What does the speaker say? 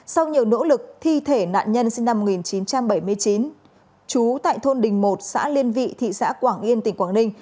sau nhiều nỗ lực thi thể nạn nhân sinh năm một nghìn chín trăm bảy mươi chín trú tại thôn đình một xã liên vị thị xã quảng yên tỉnh quảng ninh